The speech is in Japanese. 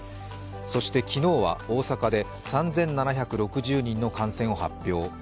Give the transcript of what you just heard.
そして昨日は大阪で３７６０人の感染を発表。